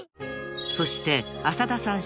［そして浅田さん